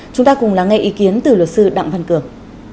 chúng ta cùng lắng nghe ý kiến từ luật sư đặng văn cường